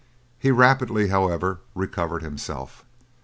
He rapidly, however, recovered himself.